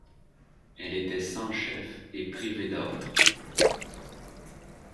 Elle était sans chef et privée d'ordre.